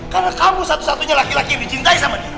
karena kamu satu satunya laki laki yang dicintai sama dia